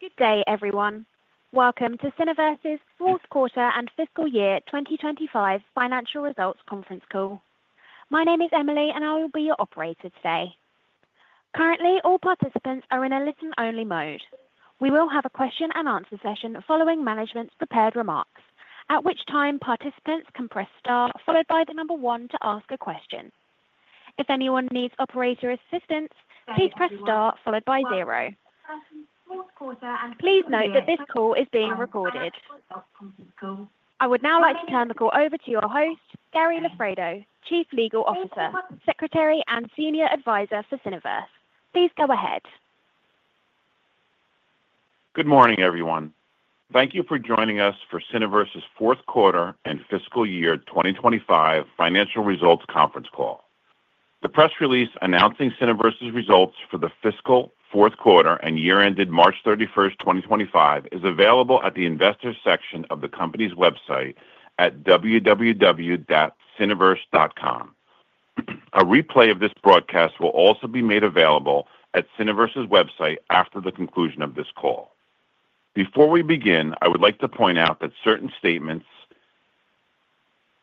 Good day, everyone. Welcome to Cineverse's fourth quarter and fiscal year 2025 financial results conference call. My name is Emily, and I will be your operator today. Currently, all participants are in a listen-only mode. We will have a question-and-answer session following management's prepared remarks, at which time participants can press star followed by the number one to ask a question. If anyone needs operator assistance, please press star followed by zero. Please note that this call is being recorded. I would now like to turn the call over to your host, Gary Loffredo, Chief Legal Officer, Secretary, and Senior Advisor for Cineverse. Please go ahead. Good morning, everyone. Thank you for joining us for Cineverse's fourth quarter and fiscal year 2025 financial results conference call. The press release announcing Cineverse's results for the fiscal fourth quarter and year ended March 31st, 2025 is available at the investor section of the company's website at www.cineverse.com. A replay of this broadcast will also be made available at Cineverse's website after the conclusion of this call. Before we begin, I would like to point out that certain statements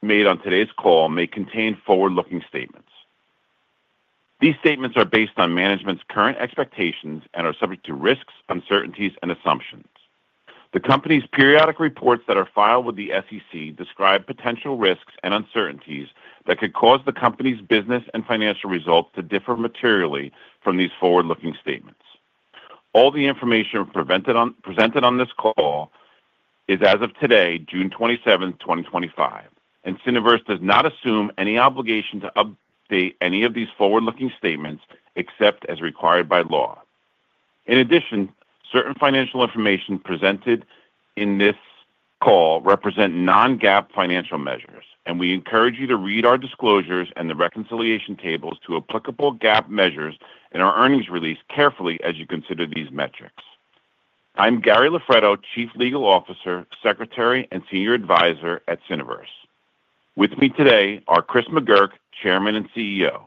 made on today's call may contain forward-looking statements. These statements are based on management's current expectations and are subject to risks, uncertainties, and assumptions. The company's periodic reports that are filed with the SEC describe potential risks and uncertainties that could cause the company's business and financial results to differ materially from these forward-looking statements. All the information presented on this call is as of today, June 27th, 2025, and Cineverse does not assume any obligation to update any of these forward-looking statements except as required by law. In addition, certain financial information presented in this call represent non-GAAP financial measures, and we encourage you to read our disclosures and the reconciliation tables to applicable GAAP measures in our earnings release carefully as you consider these metrics. I'm Gary Loffredo, Chief Legal Officer, Secretary, and Senior Advisor at Cineverse. With me today are Chris McGurk, Chairman and CEO;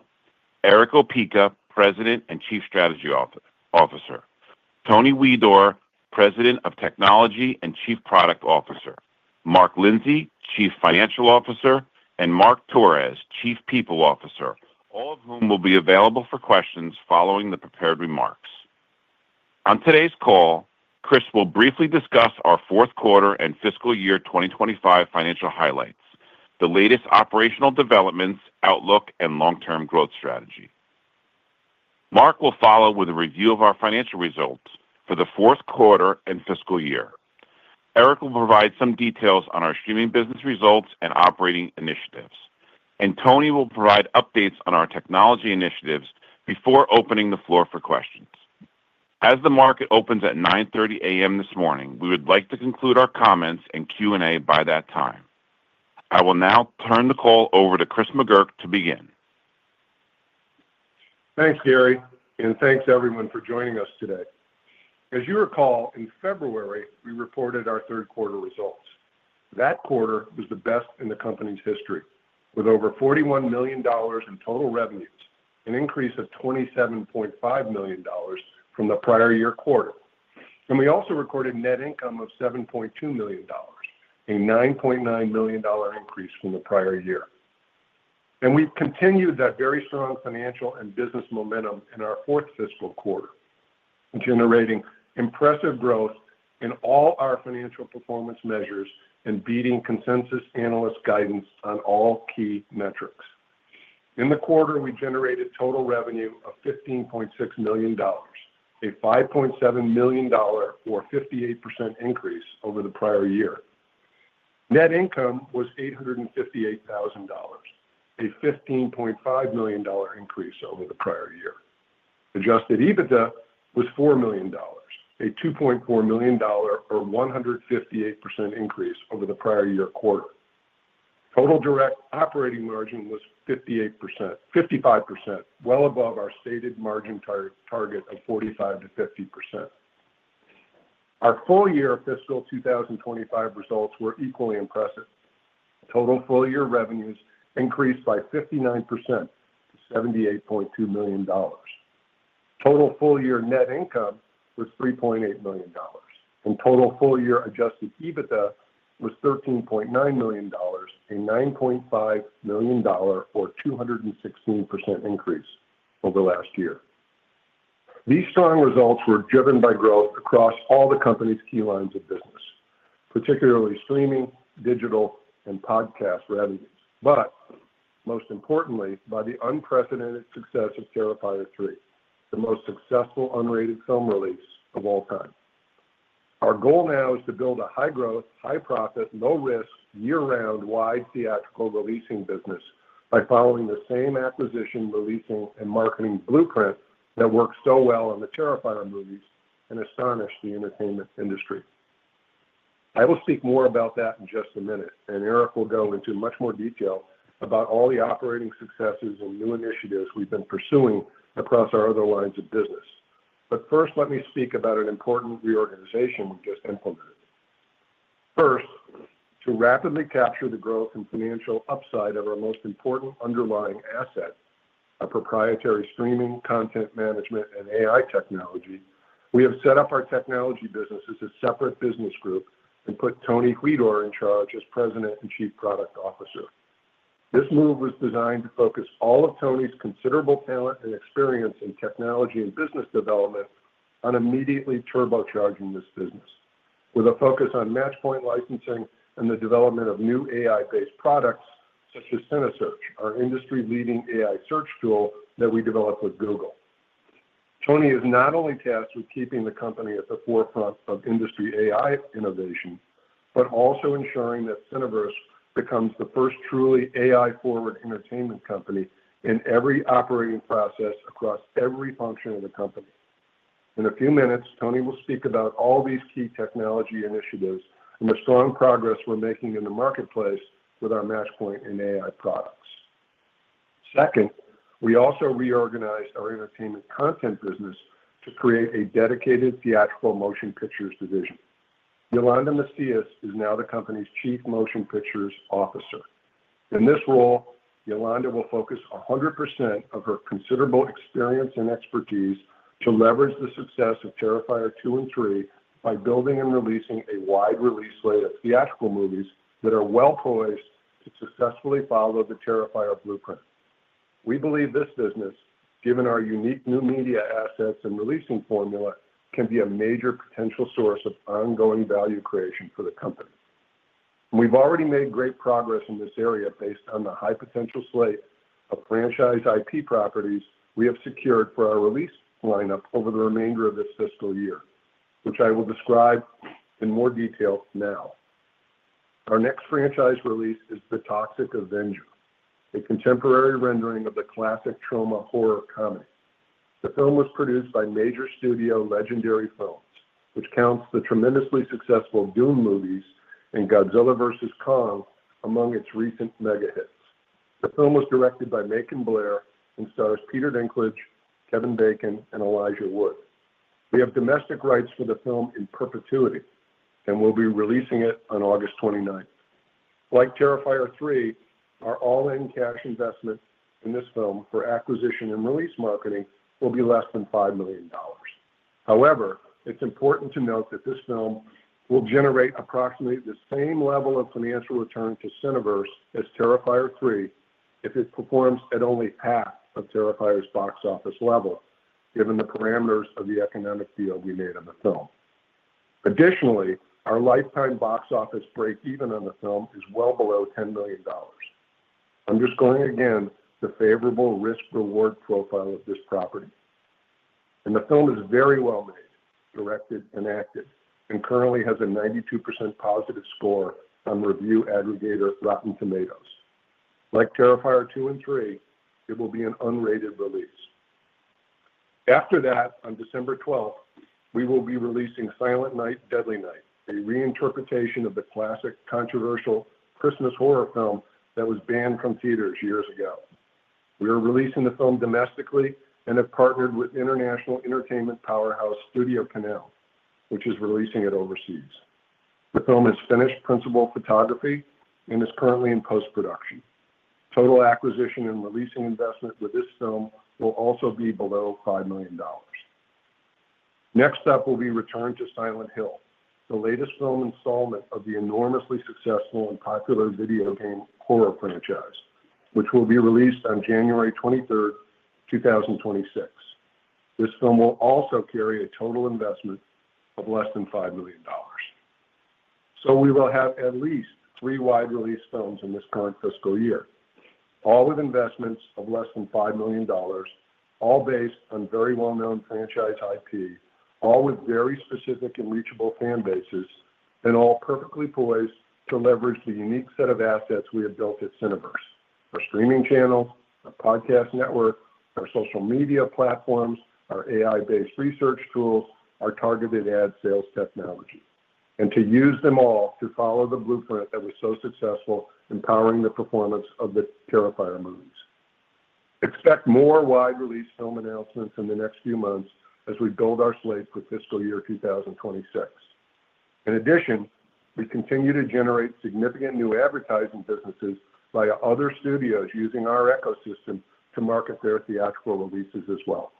Erick Opeka, President and Chief Strategy Officer; Tony Huidor, President of Technology and Chief Product Officer; Mark Lindsey, Chief Financial Officer; and Mark Torres, Chief People Officer, all of whom will be available for questions following the prepared remarks. On today's call, Chris will briefly discuss our fourth quarter and fiscal year 2025 financial highlights, the latest operational developments, outlook, and long-term growth strategy. Mark will follow with a review of our financial results for the fourth quarter and fiscal year. Erick will provide some details on our streaming business results and operating initiatives, and Tony will provide updates on our technology initiatives before opening the floor for questions. As the market opens at 9:30 A.M. this morning, we would like to conclude our comments and Q&A by that time. I will now turn the call over to Chris McGurk to begin. Thanks, Gary, and thanks, everyone, for joining us today. As you recall, in February, we reported our third quarter results. That quarter was the best in the company's history, with over $41 million in total revenues, an increase of $27.5 million from the prior year quarter. We also recorded net income of $7.2 million, a $9.9 million increase from the prior year. We have continued that very strong financial and business momentum in our fourth fiscal quarter, generating impressive growth in all our financial performance measures and beating consensus analyst guidance on all key metrics. In the quarter, we generated total revenue of $15.6 million, a $5.7 million, or 58% increase over the prior year. Net income was $858,000, a $15.5 million increase over the prior year. Adjusted EBITDA was $4 million, a $2.4 million, or 158% increase over the prior year quarter. Total direct operating margin was 55%, well above our stated margin target of 45%-50%. Our full-year fiscal 2025 results were equally impressive. Total full-year revenues increased by 59% to $78.2 million. Total full-year net income was $3.8 million, and total full-year Adjusted EBITDA was $13.9 million, a $9.5 million, or 216% increase over last year. These strong results were driven by growth across all the company's key lines of business, particularly streaming, digital, and podcast revenues, but most importantly, by the unprecedented success of Terrifier 3, the most successful unrated film release of all time. Our goal now is to build a high-growth, high-profit, low-risk, year-round, wide theatrical releasing business by following the same acquisition, releasing, and marketing blueprint that worked so well on the Terrifier movies and astonished the entertainment industry. I will speak more about that in just a minute, and Erick will go into much more detail about all the operating successes and new initiatives we've been pursuing across our other lines of business. First, let me speak about an important reorganization we just implemented. First, to rapidly capture the growth and financial upside of our most important underlying asset, our proprietary streaming, content management, and AI technology, we have set up our technology business as a separate business group and put Tony Huidor in charge as President and Chief Product Officer. This move was designed to focus all of Tony's considerable talent and experience in technology and business development on immediately turbocharging this business, with a focus on Matchpoint licensing and the development of new AI-based products such as CineSearch, our industry-leading AI search tool that we developed with Google. Tony is not only tasked with keeping the company at the forefront of industry AI innovation, but also ensuring that Cineverse becomes the first truly AI-forward entertainment company in every operating process across every function of the company. In a few minutes, Tony will speak about all these key technology initiatives and the strong progress we're making in the marketplace with our Matchpoint and AI products. Second, we also reorganized our entertainment content business to create a dedicated theatrical motion pictures division. Yolanda Macias is now the company's Chief Motion Pictures Officer. In this role, Yolanda will focus 100% of her considerable experience and expertise to leverage the success of Terrifier 2 and 3 by building and releasing a wide release slate of theatrical movies that are well-poised to successfully follow the Terrifier blueprint. We believe this business, given our unique new media assets and releasing formula, can be a major potential source of ongoing value creation for the company. We've already made great progress in this area based on the high-potential slate of franchise IP properties we have secured for our release lineup over the remainder of this fiscal year, which I will describe in more detail now. Our next franchise release is The Toxic Avenger, a contemporary rendering of the classic Troma horror comedy. The film was produced by major studio Legendary Entertainment, which counts the tremendously successful Dune movies and Godzilla vs. Kong among its recent mega hits. The film was directed by Macon Blair and stars Peter Dinklage, Kevin Bacon, and Elijah Wood. We have domestic rights for the film in perpetuity and will be releasing it on August 29. Like Terrifier 3, our all-in cash investment in this film for acquisition and release marketing will be less than $5 million. However, it's important to note that this film will generate approximately the same level of financial return to Cineverse as Terrifier 3 if it performs at only half of Terrifier's box office level, given the parameters of the economic field we made on the film. Additionally, our lifetime box office break-even on the film is well below $10 million, underscoring again the favorable risk-reward profile of this property. The film is very well made, directed, and acted, and currently has a 92% positive score on review aggregator Rotten Tomatoes. Like Terrifier 2 and 3, it will be an unrated release. After that, on December 12th, we will be releasing Silent Night: Deadly Night, a reinterpretation of the classic controversial Christmas horror film that was banned from theaters years ago. We are releasing the film domestically and have partnered with international entertainment powerhouse StudioCanal, which is releasing it overseas. The film has finished principal photography and is currently in post-production. Total acquisition and releasing investment for this film will also be below $5 million. Next up will be Return to Silent Hill, the latest film installment of the enormously successful and popular video game horror franchise, which will be released on January 23rd, 2026. This film will also carry a total investment of less than $5 million. We will have at least three wide-release films in this current fiscal year, all with investments of less than $5 million, all based on very well-known franchise IP, all with very specific and reachable fan bases, and all perfectly poised to leverage the unique set of assets we have built at Cineverse: our streaming channels, our podcast network, our social media platforms, our AI-based research tools, our targeted ad sales technology, and to use them all to follow the blueprint that was so successful in powering the performance of the Terrifier movies. Expect more wide-release film announcements in the next few months as we build our slate for fiscal year 2026. In addition, we continue to generate significant new advertising businesses via other studios using our ecosystem to market their theatrical releases as well.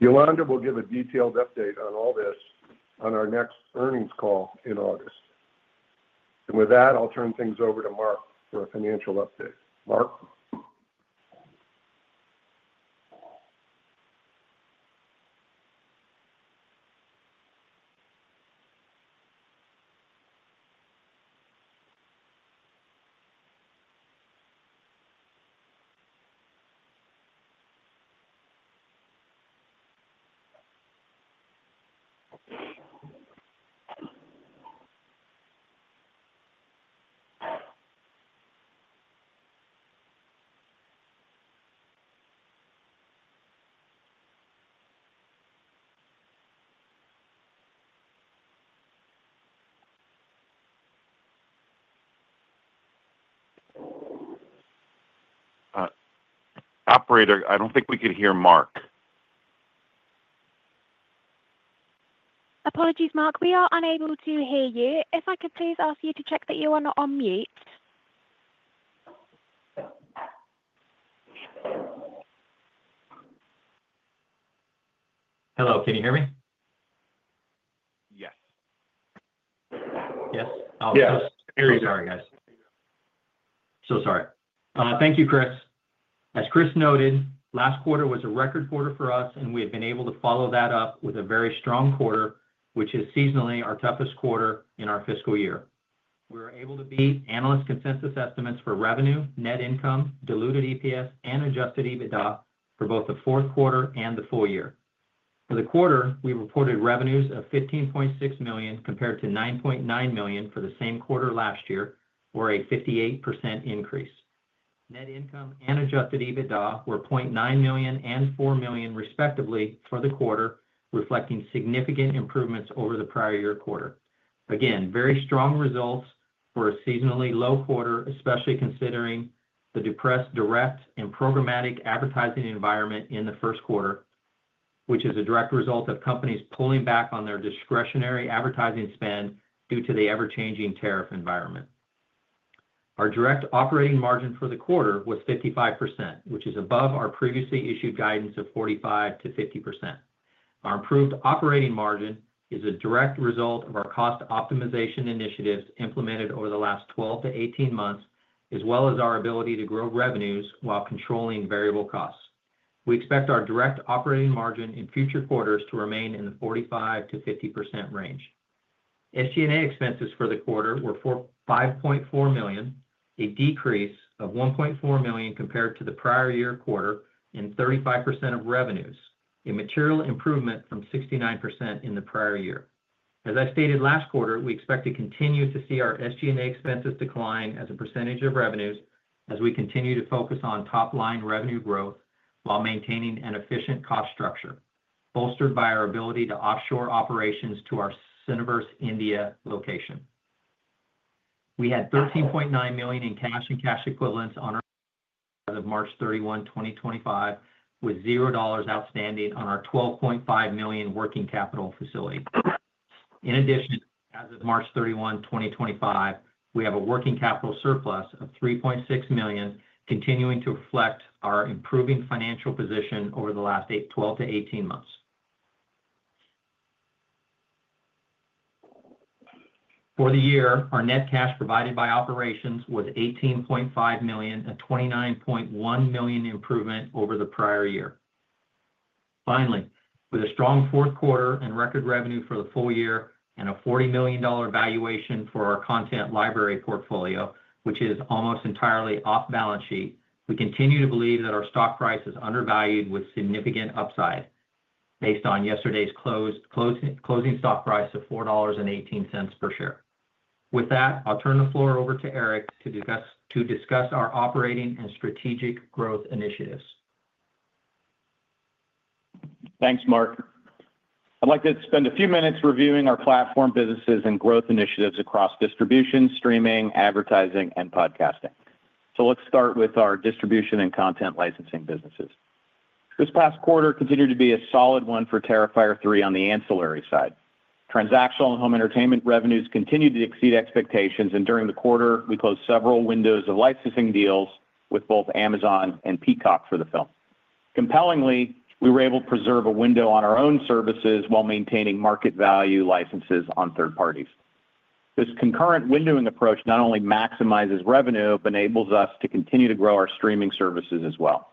Yolanda will give a detailed update on all this on our next earnings call in August. With that, I'll turn things over to Mark for a financial update. Mark. Operator, I don't think we could hear Mark. Apologies, Mark. We are unable to hear you. If I could please ask you to check that you are not on mute. Hello. Can you hear me? Yes. Yes? Oh, I'm so sorry, guys. So sorry. Thank you, Chris. As Chris noted, last quarter was a record quarter for us, and we have been able to follow that up with a very strong quarter, which is seasonally our toughest quarter in our fiscal year. We were able to beat analyst consensus estimates for revenue, net income, diluted EPS, and Adjusted EBITDA for both the fourth quarter and the full year. For the quarter, we reported revenues of $15.6 million compared to $9.9 million for the same quarter last year, or a 58% increase. Net income and Adjusted EBITDA were $0.9 million and $4 million, respectively, for the quarter, reflecting significant improvements over the prior year quarter. Again, very strong results for a seasonally low quarter, especially considering the depressed direct and programmatic advertising environment in the first quarter, which is a direct result of companies pulling back on their discretionary advertising spend due to the ever-changing tariff environment. Our direct operating margin for the quarter was 55%, which is above our previously issued guidance of 45%-50%. Our improved operating margin is a direct result of our cost optimization initiatives implemented over the last 12-18 months, as well as our ability to grow revenues while controlling variable costs. We expect our direct operating margin in future quarters to remain in the 45%-50% range. SG&A expenses for the quarter were $5.4 million, a decrease of $1.4 million compared to the prior year quarter, and 35% of revenues, a material improvement from 69% in the prior year. As I stated last quarter, we expect to continue to see our SG&A expenses decline as a percentage of revenues as we continue to focus on top-line revenue growth while maintaining an efficient cost structure, bolstered by our ability to offshore operations to our Cineverse India location. We had $13.9 million in cash and cash equivalents as of March 31, 2025, with $0 outstanding on our $12.5 million working capital facility. In addition, as of March 31, 2025, we have a working capital surplus of $3.6 million, continuing to reflect our improving financial position over the last 12-18 months. For the year, our net cash provided by operations was $18.5 million, a $29.1 million improvement over the prior year. Finally, with a strong fourth quarter and record revenue for the full year and a $40 million valuation for our content library portfolio, which is almost entirely off-balance sheet, we continue to believe that our stock price is undervalued with significant upside, based on yesterday's closing stock price of $4.18 per share. With that, I'll turn the floor over to Erick to discuss our operating and strategic growth initiatives. Thanks, Mark. I'd like to spend a few minutes reviewing our platform businesses and growth initiatives across distribution, streaming, advertising, and podcasting. Let's start with our distribution and content licensing businesses. This past quarter continued to be a solid one for Terrifier 3 on the ancillary side. Transactional and home entertainment revenues continued to exceed expectations, and during the quarter, we closed several windows of licensing deals with both Amazon and Peacock for the film. Compellingly, we were able to preserve a window on our own services while maintaining market-value licenses on third parties. This concurrent windowing approach not only maximizes revenue, but enables us to continue to grow our streaming services as well.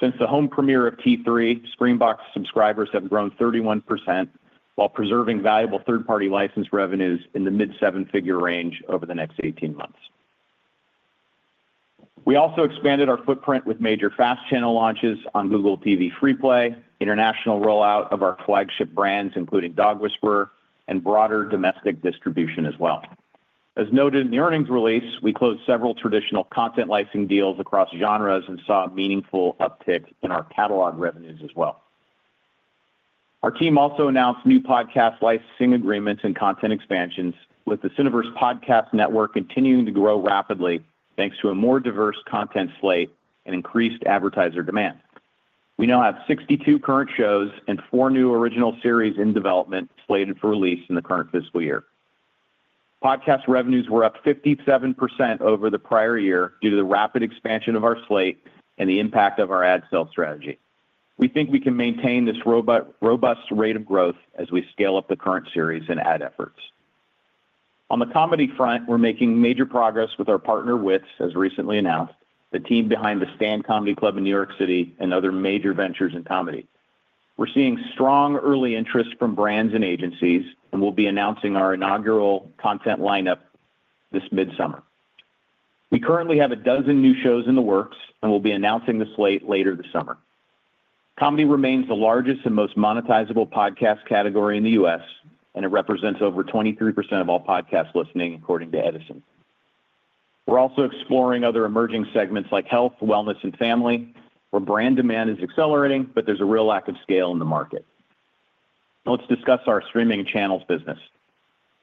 Since the home premiere of T3, Screambox subscribers have grown 31% while preserving valuable third-party license revenues in the mid-seven-figure range over the next 18 months. We also expanded our footprint with major FAST channel launches on Google TV FreePlay, international rollout of our flagship brands, including Dog Whisperer, and broader domestic distribution as well. As noted in the earnings release, we closed several traditional content licensing deals across genres and saw meaningful uptick in our catalog revenues as well. Our team also announced new podcast licensing agreements and content expansions, with the Cineverse Podcast Network continuing to grow rapidly, thanks to a more diverse content slate and increased advertiser demand. We now have 62 current shows and four new original series in development slated for release in the current fiscal year. Podcast revenues were up 57% over the prior year due to the rapid expansion of our slate and the impact of our ad sales strategy. We think we can maintain this robust rate of growth as we scale up the current series and ad efforts. On the comedy front, we're making major progress with our partner WITS, as recently announced, the team behind The Stan Comedy Club in New York City and other major ventures in comedy. We're seeing strong early interest from brands and agencies, and we'll be announcing our inaugural content lineup this midsummer. We currently have a dozen new shows in the works and will be announcing the slate later this summer. Comedy remains the largest and most monetizable podcast category in the U.S., and it represents over 23% of all podcast listening, according to Edison Research. We're also exploring other emerging segments like health, wellness, and family, where brand demand is accelerating, but there's a real lack of scale in the market. Let's discuss our streaming channels business.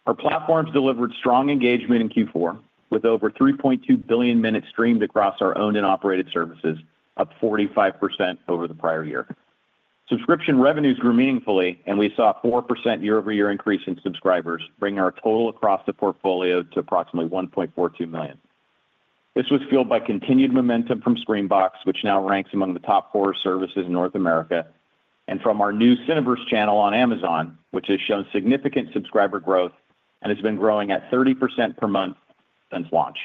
Our platforms delivered strong engagement in Q4, with over 3.2 billion minutes streamed across our owned and operated services, up 45% over the prior year. Subscription revenues grew meaningfully, and we saw a 4% year-over-year increase in subscribers, bringing our total across the portfolio to approximately 1.42 million. This was fueled by continued momentum from Screambox, which now ranks among the top four services in North America, and from our new Cineverse channel on Amazon, which has shown significant subscriber growth and has been growing at 30% per month since launch.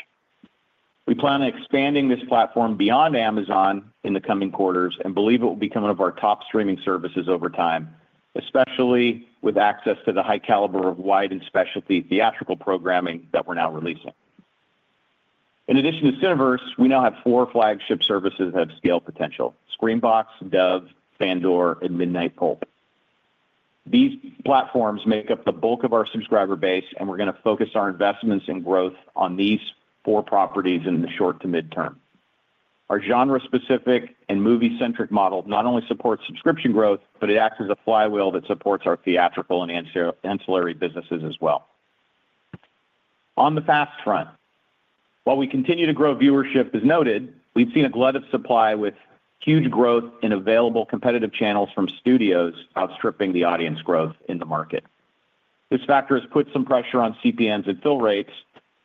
We plan on expanding this platform beyond Amazon in the coming quarters and believe it will become one of our top streaming services over time, especially with access to the high caliber of wide and specialty theatrical programming that we're now releasing. In addition to Cineverse, we now have four flagship services that have scale potential: Screambox, Dove, Sandor, and Midnight Pulse. These platforms make up the bulk of our subscriber base, and we're going to focus our investments and growth on these four properties in the short to midterm. Our genre-specific and movie-centric model not only supports subscription growth, but it acts as a flywheel that supports our theatrical and ancillary businesses as well. On the FAST front, while we continue to grow viewership, as noted, we've seen a glut of supply with huge growth in available competitive channels from studios outstripping the audience growth in the market. This factor has put some pressure on CPNs and fill rates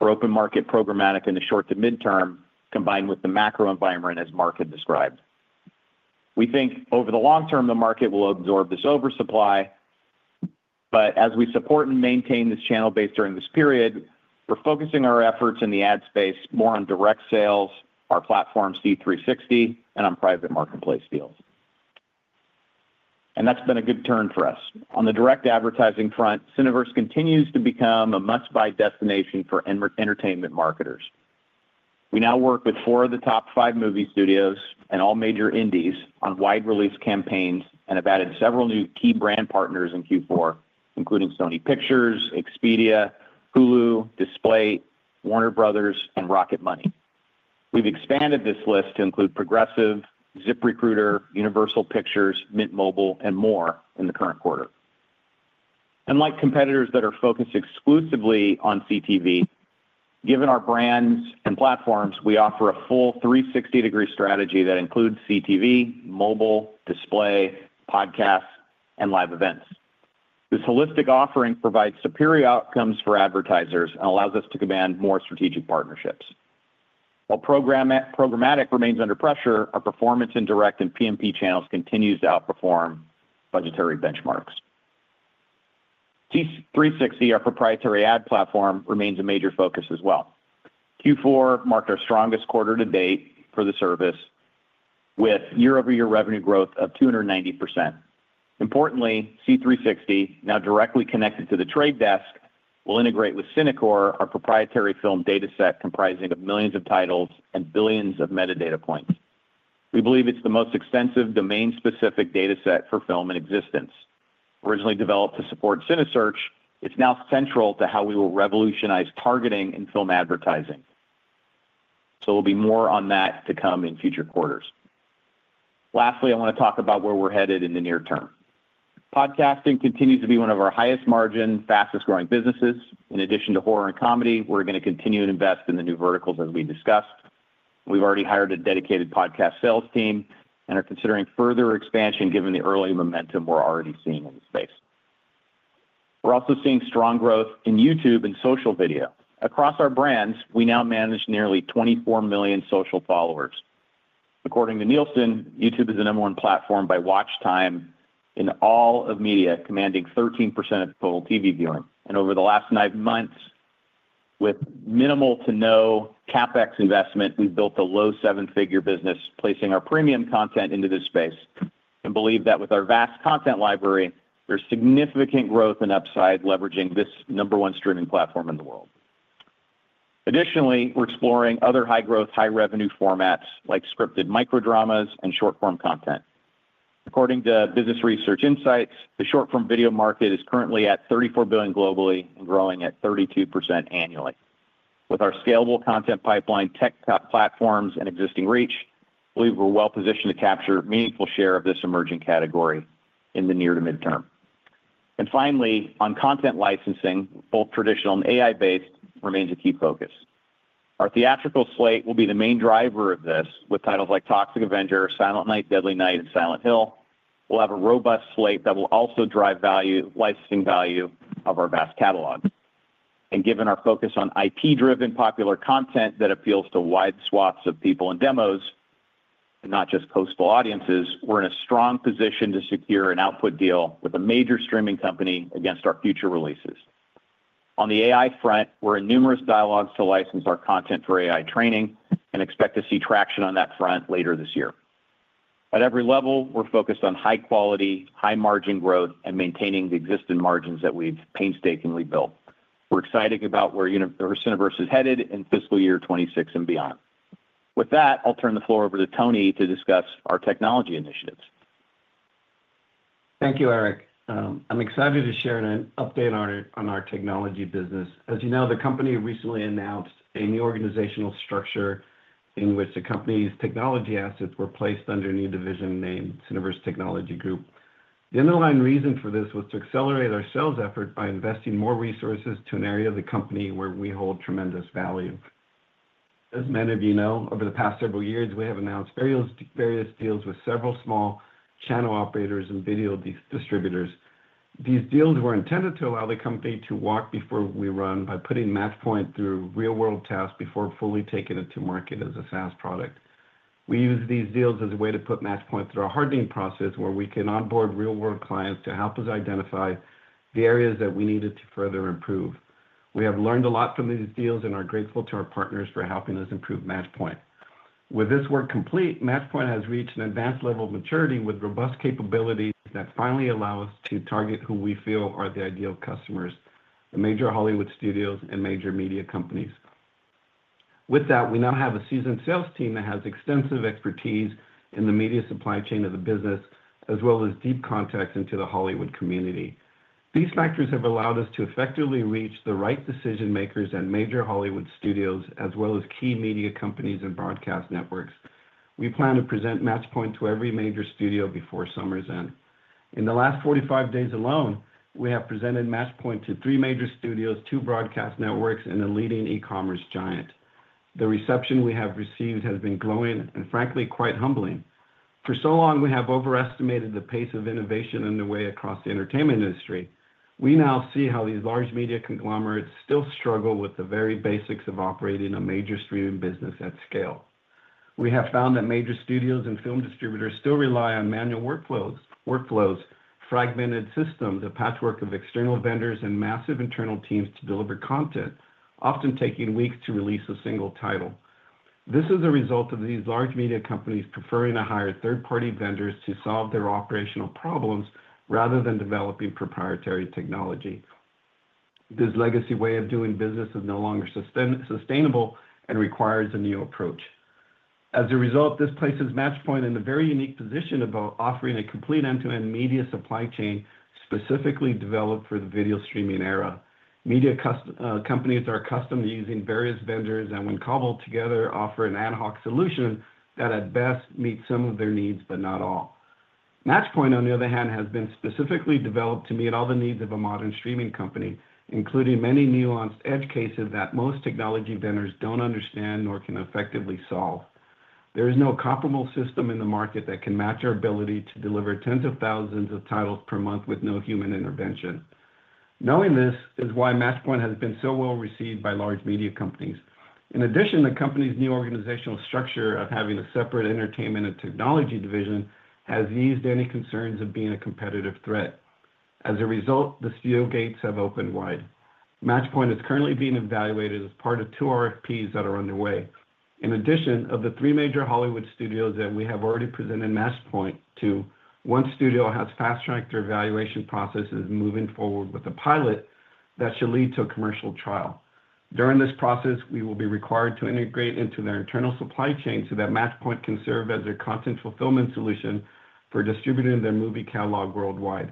for open market programmatic in the short to midterm, combined with the macro environment, as Mark had described. We think over the long term, the market will absorb this oversupply, but as we support and maintain this channel base during this period, we're focusing our efforts in the ad space more on direct sales, our platform C360, and on private marketplace deals. That's been a good turn for us. On the direct advertising front, Cineverse continues to become a must-buy destination for entertainment marketers. We now work with four of the top five movie studios and all major indies on wide-release campaigns and have added several new key brand partners in Q4, including Sony Pictures, Expedia, Hulu, Display, Warner Bros., and Rocket Money. We've expanded this list to include Progressive, ZipRecruiter, Universal Pictures, Mint Mobile, and more in the current quarter. Unlike competitors that are focused exclusively on CTV, given our brands and platforms, we offer a full 360-degree strategy that includes CTV, mobile, display, podcasts, and live events. This holistic offering provides superior outcomes for advertisers and allows us to command more strategic partnerships. While programmatic remains under pressure, our performance in direct and PMP channels continues to outperform budgetary benchmarks. C360, our proprietary ad platform, remains a major focus as well. Q4 marked our strongest quarter to date for the service, with year-over-year revenue growth of 290%. Importantly, C360, now directly connected to The Trade Desk, will integrate with Cinecore, our proprietary film dataset comprising millions of titles and billions of metadata points. We believe it is the most extensive domain-specific dataset for film in existence. Originally developed to support Cinesearch, it is now central to how we will revolutionize targeting in film advertising. There will be more on that to come in future quarters. Lastly, I want to talk about where we're headed in the near term. Podcasting continues to be one of our highest-margin, fastest-growing businesses. In addition to horror and comedy, we're going to continue to invest in the new verticals as we discussed. We've already hired a dedicated podcast sales team and are considering further expansion given the early momentum we're already seeing in the space. We're also seeing strong growth in YouTube and social video. Across our brands, we now manage nearly 24 million social followers. According to Nielsen, YouTube is the number one platform by watch time in all of media, commanding 13% of total TV viewing. Over the last nine months, with minimal to no CapEx investment, we've built a low seven-figure business, placing our premium content into this space, and believe that with our vast content library, there's significant growth and upside leveraging this number one streaming platform in the world. Additionally, we're exploring other high-growth, high-revenue formats like scripted microdramas and short-form content. According to Business Research Insights, the short-form video market is currently at $34 billion globally and growing at 32% annually. With our scalable content pipeline, tech platforms, and existing reach, we're well-positioned to capture a meaningful share of this emerging category in the near to midterm. Finally, on content licensing, both traditional and AI-based remains a key focus. Our theatrical slate will be the main driver of this, with titles like The Toxic Avenger, Silent Night, Deadly Night, and Return to Silent Hill. We'll have a robust slate that will also drive licensing value of our vast catalog. Given our focus on IP-driven popular content that appeals to wide swaths of people and demos, and not just coastal audiences, we're in a strong position to secure an output deal with a major streaming company against our future releases. On the AI front, we're in numerous dialogues to license our content for AI training and expect to see traction on that front later this year. At every level, we're focused on high quality, high-margin growth, and maintaining the existing margins that we've painstakingly built. We're excited about where Cineverse is headed in fiscal year 2026 and beyond. With that, I'll turn the floor over to Tony to discuss our technology initiatives. Thank you, Erick. I'm excited to share an update on our technology business. As you know, the company recently announced a new organizational structure in which the company's technology assets were placed under a new division named Cineverse Technology Group. The underlying reason for this was to accelerate our sales effort by investing more resources to an area of the company where we hold tremendous value. As many of you know, over the past several years, we have announced various deals with several small channel operators and video distributors. These deals were intended to allow the company to walk before we run by putting Matchpoint through real-world tests before fully taking it to market as a SaaS product. We use these deals as a way to put Matchpoint through our hardening process, where we can onboard real-world clients to help us identify the areas that we needed to further improve. We have learned a lot from these deals and are grateful to our partners for helping us improve Matchpoint. With this work complete, Matchpoint has reached an advanced level of maturity with robust capabilities that finally allow us to target who we feel are the ideal customers: the major Hollywood studios and major media companies. With that, we now have a seasoned sales team that has extensive expertise in the media supply chain of the business, as well as deep contacts into the Hollywood community. These factors have allowed us to effectively reach the right decision-makers and major Hollywood studios, as well as key media companies and broadcast networks. We plan to present Matchpoint to every major studio before summer's end. In the last 45 days alone, we have presented Matchpoint to three major studios, two broadcast networks, and a leading e-commerce giant. The reception we have received has been glowing and, frankly, quite humbling. For so long, we have overestimated the pace of innovation underway across the entertainment industry. We now see how these large media conglomerates still struggle with the very basics of operating a major streaming business at scale. We have found that major studios and film distributors still rely on manual workflows, fragmented systems, a patchwork of external vendors, and massive internal teams to deliver content, often taking weeks to release a single title. This is a result of these large media companies preferring to hire third-party vendors to solve their operational problems rather than developing proprietary technology. This legacy way of doing business is no longer sustainable and requires a new approach. As a result, this places Matchpoint in a very unique position of offering a complete end-to-end media supply chain specifically developed for the video streaming era. Media companies are accustomed to using various vendors and, when cobbled together, offer an ad hoc solution that at best meets some of their needs, but not all. Matchpoint, on the other hand, has been specifically developed to meet all the needs of a modern streaming company, including many nuanced edge cases that most technology vendors do not understand nor can effectively solve. There is no comparable system in the market that can match our ability to deliver tens of thousands of titles per month with no human intervention. Knowing this is why Matchpoint has been so well received by large media companies. In addition, the company's new organizational structure of having a separate entertainment and technology division has eased any concerns of being a competitive threat. As a result, the studio gates have opened wide. Matchpoint is currently being evaluated as part of two RFPs that are underway. In addition, of the three major Hollywood studios that we have already presented Matchpoint to, one studio has fast-tracked their evaluation process and is moving forward with a pilot that should lead to a commercial trial. During this process, we will be required to integrate into their internal supply chain so that Matchpoint can serve as a content fulfillment solution for distributing their movie catalog worldwide.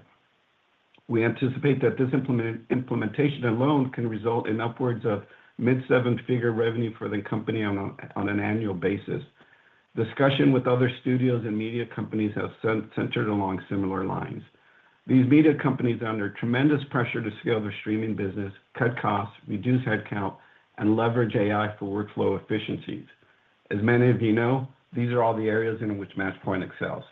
We anticipate that this implementation alone can result in upwards of mid-seven-figure revenue for the company on an annual basis. Discussion with other studios and media companies has centered along similar lines. These media companies are under tremendous pressure to scale their streaming business, cut costs, reduce headcount, and leverage AI for workflow efficiencies. As many of you know, these are all the areas in which Matchpoint excels.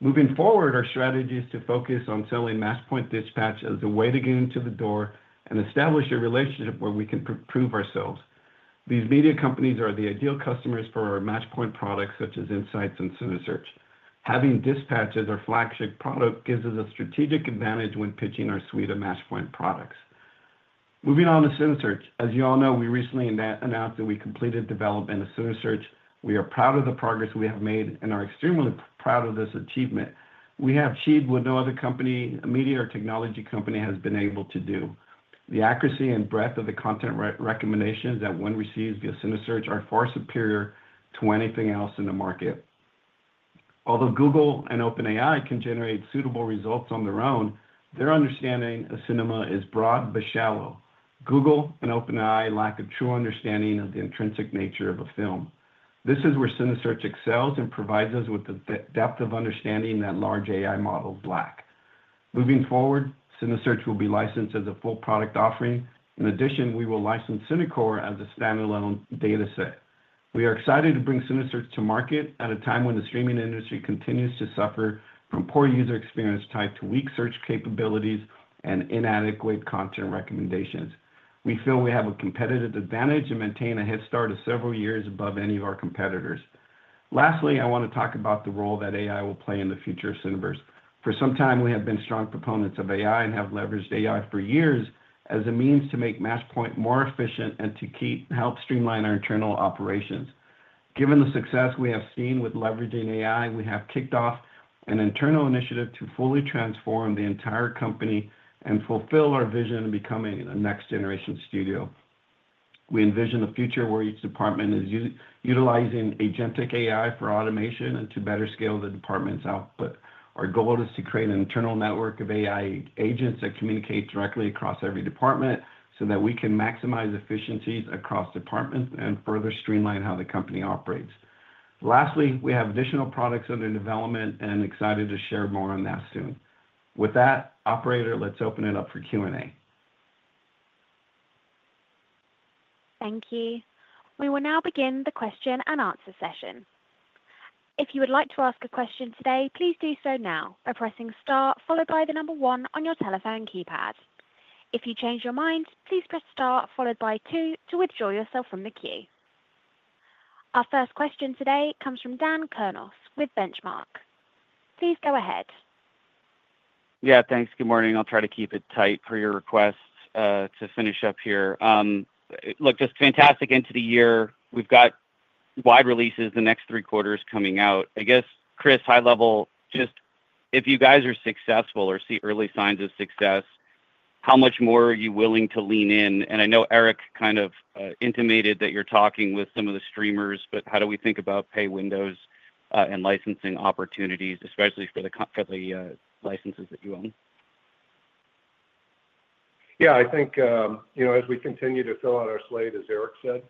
Moving forward, our strategy is to focus on selling Matchpoint Dispatch as a way to get into the door and establish a relationship where we can prove ourselves. These media companies are the ideal customers for our Matchpoint products, such as Insights and Cinesearch. Having Dispatch as our flagship product gives us a strategic advantage when pitching our suite of Matchpoint products. Moving on to Cinesearch, as you all know, we recently announced that we completed development of Cinesearch. We are proud of the progress we have made and are extremely proud of this achievement. We have achieved what no other media or technology company has been able to do. The accuracy and breadth of the content recommendations that one receives via Cinesearch are far superior to anything else in the market. Although Google and OpenAI can generate suitable results on their own, their understanding of cinema is broad but shallow. Google and OpenAI lack a true understanding of the intrinsic nature of a film. This is where Cinesearch excels and provides us with the depth of understanding that large AI models lack. Moving forward, Cinesearch will be licensed as a full product offering. In addition, we will license Cinecore as a standalone dataset. We are excited to bring Cinesearch to market at a time when the streaming industry continues to suffer from poor user experience tied to weak search capabilities and inadequate content recommendations. We feel we have a competitive advantage and maintain a head start of several years above any of our competitors. Lastly, I want to talk about the role that AI will play in the future of Cineverse. For some time, we have been strong proponents of AI and have leveraged AI for years as a means to make Matchpoint more efficient and to help streamline our internal operations. Given the success we have seen with leveraging AI, we have kicked off an internal initiative to fully transform the entire company and fulfill our vision of becoming a next-generation studio. We envision a future where each department is utilizing agentic AI for automation and to better scale the department's output. Our goal is to create an internal network of AI agents that communicate directly across every department so that we can maximize efficiencies across departments and further streamline how the company operates. Lastly, we have additional products under development and are excited to share more on that soon. With that, operator, let's open it up for Q&A. Thank you. We will now begin the question-and-answer session. If you would like to ask a question today, please do so now by pressing star followed by the number one on your telephone keypad. If you change your mind, please press star followed by two to withdraw yourself from the queue. Our first question today comes from Dan Kurnos with Benchmark. Please go ahead. Yeah, thanks. Good morning. I'll try to keep it tight for your request to finish up here. Look, just fantastic end to the year. We've got wide releases the next three quarters coming out. I guess, Chris, high level, just if you guys are successful or see early signs of success, how much more are you willing to lean in? I know Erick kind of intimated that you're talking with some of the streamers, but how do we think about pay windows and licensing opportunities, especially for the licenses that you own? Yeah, I think as we continue to fill out our slate, as Erick said,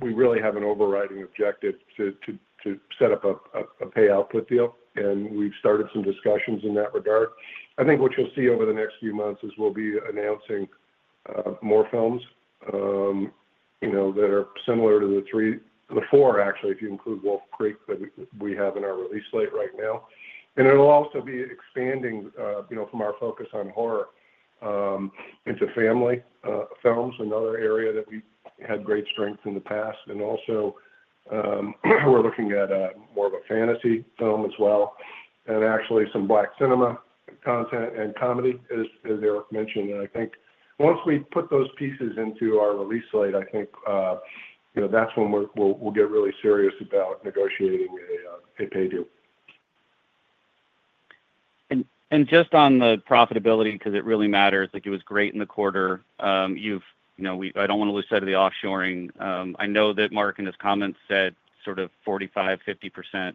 we really have an overriding objective to set up a pay output deal, and we've started some discussions in that regard. I think what you'll see over the next few months is we'll be announcing more films that are similar to the four, actually, if you include Wolf Creek that we have in our release slate right now. It'll also be expanding from our focus on horror into family films, another area that we had great strength in the past. Also, we're looking at more of a fantasy film as well, and actually some Black cinema content and comedy, as Erick mentioned. I think once we put those pieces into our release slate, I think that's when we'll get really serious about negotiating a pay deal. Just on the profitability, because it really matters, it was great in the quarter. I do not want to lose sight of the offshoring. I know that Mark in his comments said sort of 45%-50%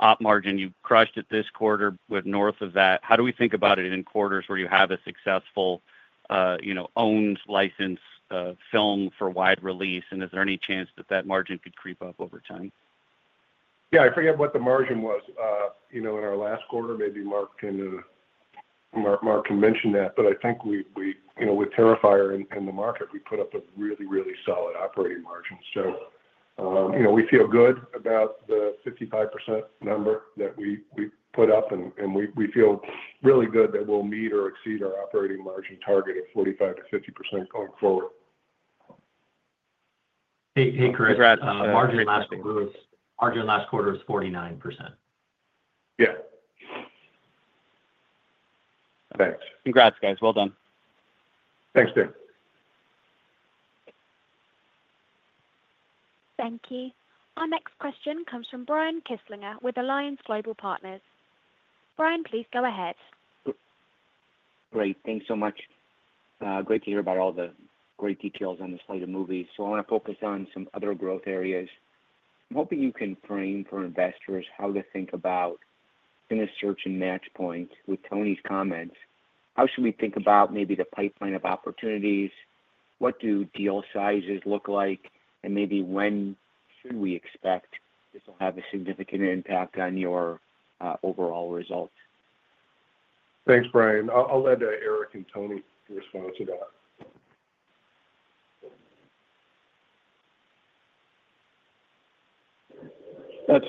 op margin. You crushed it this quarter with north of that. How do we think about it in quarters where you have a successful owned license film for wide release, and is there any chance that that margin could creep up over time? Yeah, I forget what the margin was in our last quarter. Maybe Mark can mention that, but I think with Terrifier in the market, we put up a really, really solid operating margin. So we feel good about the 55% number that we put up, and we feel really good that we'll meet or exceed our operating margin target of 45%-50% going forward. Hey, Chris. Margin last quarter was 49%. Yeah. Thanks. Congrats, guys. Well done. Thanks, Da. Thank you. Our next question comes from Brian Kinstlinger with Alliance Global Partners. Brian, please go ahead. Great. Thanks so much. Great to hear about all the great details on this slate of movies. I want to focus on some other growth areas. I'm hoping you can frame for investors how to think about Cinesearch and Matchpoint with Tony's comments. How should we think about maybe the pipeline of opportunities? What do deal sizes look like, and maybe when should we expect this will have a significant impact on your overall results? Thanks, Brian. I'll let Erick and Tony respond to that.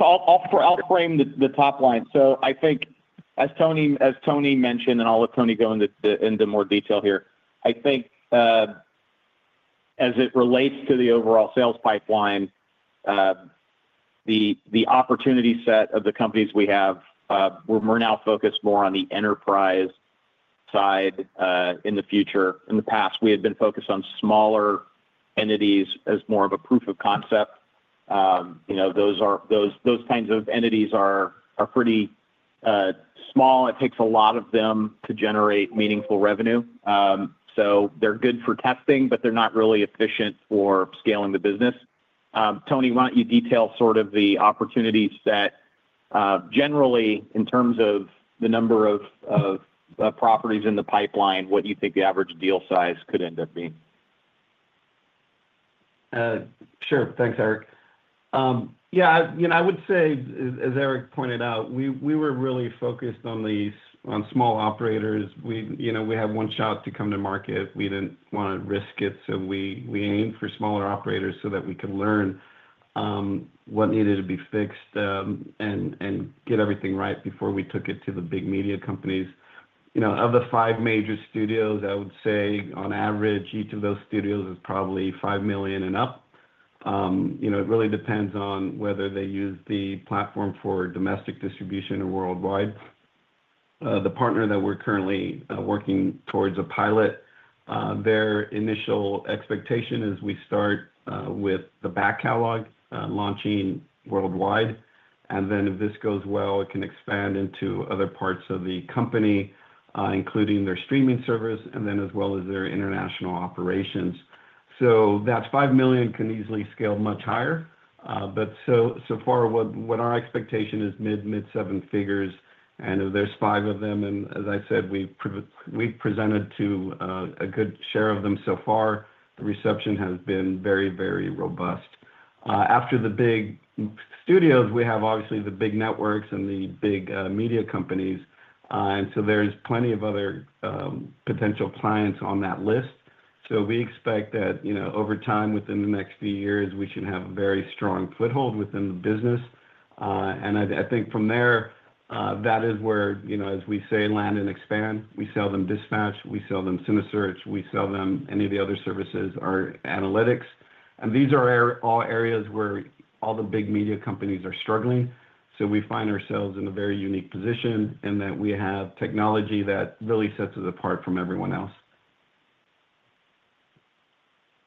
I'll frame the top line. I think, as Tony mentioned, and I'll let Tony go into more detail here, I think as it relates to the overall sales pipeline, the opportunity set of the companies we have, we're now focused more on the enterprise side in the future. In the past, we had been focused on smaller entities as more of a proof of concept. Those kinds of entities are pretty small. It takes a lot of them to generate meaningful revenue. They're good for testing, but they're not really efficient for scaling the business. Tony, why don't you detail sort of the opportunities that generally, in terms of the number of properties in the pipeline, what you think the average deal size could end up being? Sure. Thanks, Erick. Yeah, I would say, as Erick pointed out, we were really focused on small operators. We had one shot to come to market. We did not want to risk it, so we aimed for smaller operators so that we could learn what needed to be fixed and get everything right before we took it to the big media companies. Of the five major studios, I would say on average, each of those studios is probably $5 million and up. It really depends on whether they use the platform for domestic distribution or worldwide. The partner that we are currently working towards a pilot, their initial expectation is we start with the back catalog launching worldwide, and then if this goes well, it can expand into other parts of the company, including their streaming servers, and then as well as their international operations. That $5 million can easily scale much higher. What our expectation is, mid-seven figures, and there are five of them. As I said, we've presented to a good share of them so far. The reception has been very, very robust. After the big studios, we have obviously the big networks and the big media companies, and there are plenty of other potential clients on that list. We expect that over time, within the next few years, we should have a very strong foothold within the business. I think from there, that is where, as we say, land and expand. We sell them Dispatch. We sell them Cinesearch. We sell them any of the other services, our analytics. These are all areas where all the big media companies are struggling. We find ourselves in a very unique position in that we have technology that really sets us apart from everyone else.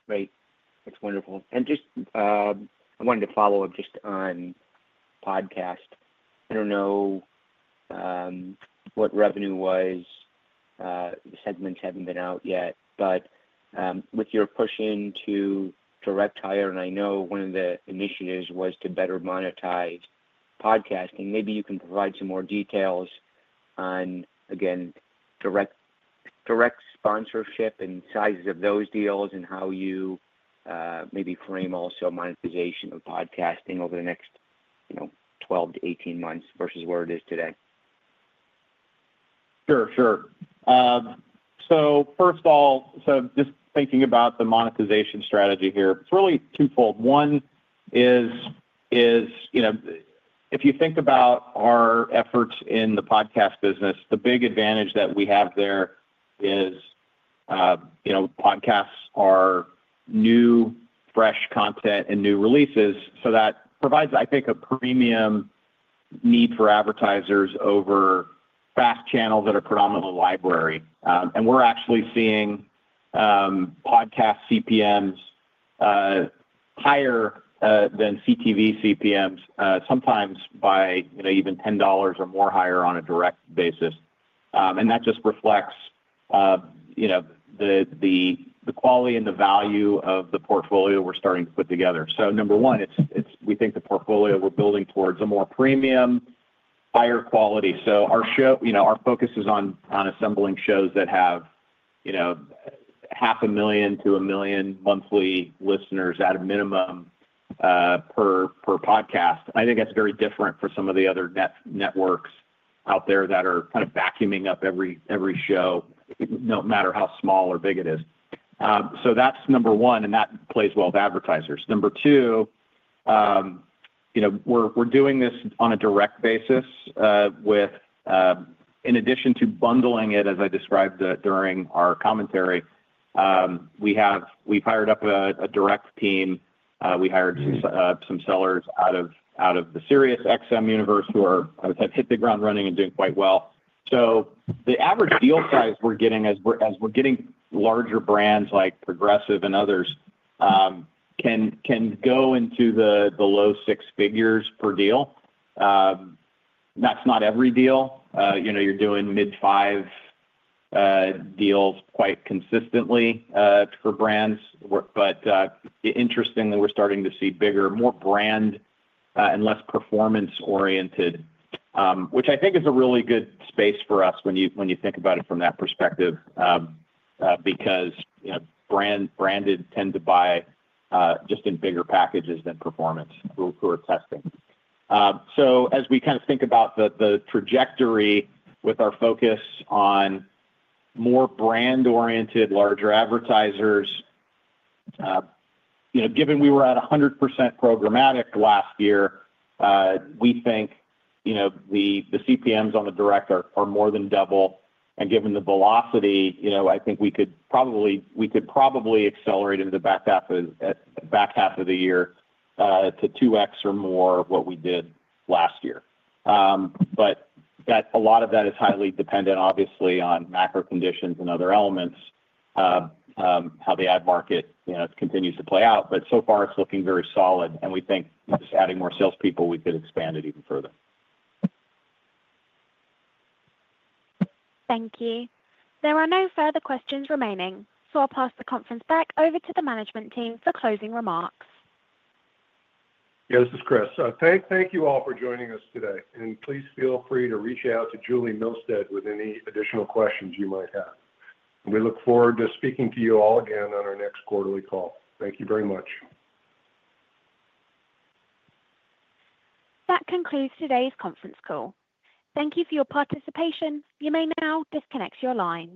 Great. That's wonderful. I wanted to follow up just on podcast. I don't know what revenue was. The segments haven't been out yet. With your push into direct hire, and I know one of the initiatives was to better monetize podcasting, maybe you can provide some more details on, again, direct sponsorship and sizes of those deals and how you maybe frame also monetization of podcasting over the next 12-18 months versus where it is today. Sure, sure. First of all, just thinking about the monetization strategy here, it's really twofold. One is if you think about our efforts in the podcast business, the big advantage that we have there is podcasts are new, fresh content and new releases. That provides, I think, a premium need for advertisers over FAST channels that are predominantly library. We're actually seeing podcast CPMs higher than CTV CPMs, sometimes by even $10 or more higher on a direct basis. That just reflects the quality and the value of the portfolio we're starting to put together. Number one, we think the portfolio we're building is towards a more premium, higher quality. Our focus is on assembling shows that have 500,000-1 million monthly listeners at a minimum per podcast. I think that's very different for some of the other networks out there that are kind of vacuuming up every show, no matter how small or big it is. That's number one, and that plays well with advertisers. Number two, we're doing this on a direct basis with, in addition to bundling it, as I described during our commentary, we've hired up a direct team. We hired some sellers out of the SiriusXM universe who have hit the ground running and doing quite well. The average deal size we're getting, as we're getting larger brands like Progressive and others, can go into the low six figures per deal. That's not every deal. You're doing mid-five deals quite consistently for brands. Interestingly, we're starting to see bigger, more brand and less performance-oriented, which I think is a really good space for us when you think about it from that perspective because branded tend to buy just in bigger packages than performance who are testing. As we kind of think about the trajectory with our focus on more brand-oriented, larger advertisers, given we were at 100% programmatic last year, we think the CPMs on the direct are more than double. Given the velocity, I think we could probably accelerate into the back half of the year to 2x or more of what we did last year. A lot of that is highly dependent, obviously, on macro conditions and other elements, how the ad market continues to play out. So far, it's looking very solid, and we think just adding more salespeople, we could expand it even further. Thank you. There are no further questions remaining, so I'll pass the conference back over to the management team for closing remarks. Yeah, this is Chris. Thank you all for joining us today. Please feel free to reach out to Julie Millstead with any additional questions you might have. We look forward to speaking to you all again on our next quarterly call. Thank you very much. That concludes today's conference call. Thank you for your participation. You may now disconnect your line.